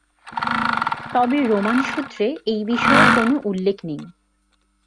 তবে রোমান সূত্রে এই বিষয়ে কোনো উল্লেখ নেই।